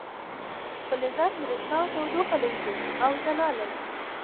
فلزات بریښنا او تودوخه لیږدوي او ځلا لري.